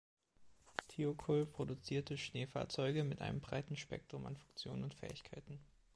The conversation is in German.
Thiokol produzierte Schneefahrzeuge mit einem breiten Spektrum an Funktionen und Fähigkeiten.